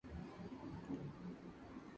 En junio fundaría la Asamblea por Malí.